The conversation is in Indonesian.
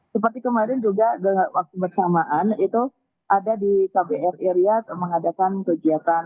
seperti kemarin juga waktu bersamaan itu ada di kbri riyad mengadakan kegiatan